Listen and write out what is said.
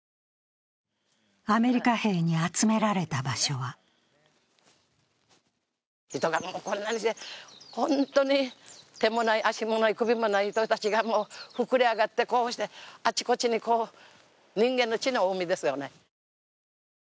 アメリカ兵に集められた場所は人がこんなにして、本当に手もない足もない、首もない人たちが膨れ上がって、こうしてあちこちにこう、人間の血の海ですよね。